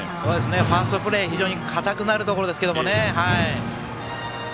ファーストプレー硬くなるところですけどね。